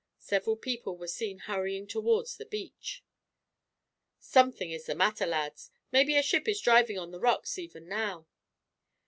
Several people were seen hurrying towards the beach. "Something is the matter, lads; maybe a ship is driving on the rocks, even now."